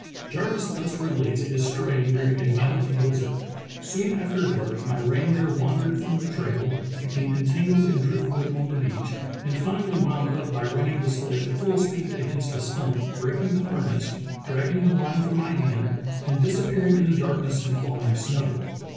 Jarvis thus relates his straying during a violent bliz zard: Soon after dark my deer wandered from the trail, became entangled in drift wood on the beach, and finally wound up by running the sledge full speed against a stump, breaking the harness, dragging the line from my hand, and disappearing in the darkness and flying snow.